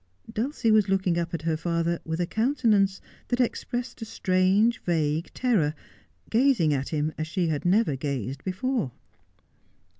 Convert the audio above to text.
Dulcie was looking up at her father with a countenance that expressed a strange, vague terror, gazing at him as she had never gazed before.